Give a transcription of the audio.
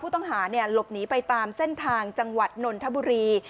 ต้องหาหลบหนีไปตามเส้นทางจังหวัดนนทบุรี